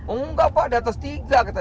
enggak pak di atas tiga kata